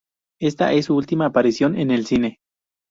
Esta es su última aparición en el cine.